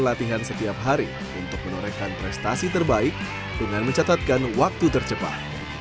latihan setiap hari untuk menorehkan prestasi terbaik dengan mencatatkan waktu tercepat